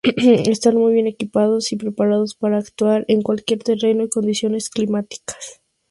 Están muy bien equipados y preparados para actuar en cualquier terreno y condiciones climáticas.